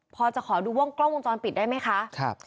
พอจะขอดูวงกล้องวงจรปิดได้ไหมคะ